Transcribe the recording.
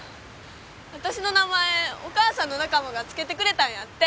私の名前お母さんの仲間がつけてくれたんやって。